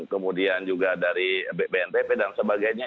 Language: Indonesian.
kemudian juga dari bnpp dan sebagainya